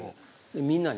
みんなに。